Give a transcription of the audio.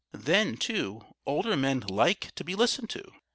Then, too, older men like to be listened to.